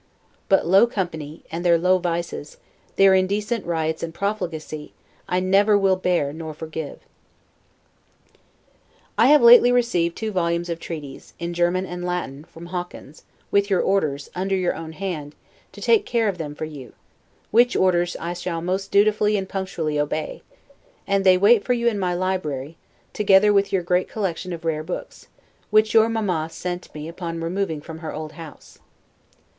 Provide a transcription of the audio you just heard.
But low company, and their low vices, their indecent riots and profligacy, I never will bear nor forgive. I have lately received two volumes of treaties, in German and Latin, from Hawkins, with your orders, under your own hand, to take care of them for you, which orders I shall most dutifully and punctually obey, and they wait for you in my library, together with your great collection of rare books, which your Mamma sent me upon removing from her old house.